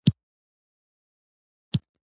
کچالو خلکو ته برکت راولي